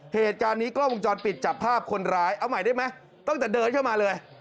เหตุการณ์นี้กล้องวงจรปิดจับภาพคนร้ายเอาใหม่ได้ไหมตั้งแต่เดินเข้ามาเลย